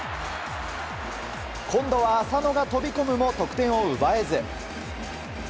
今度は浅野が飛び込むも得点を奪えず。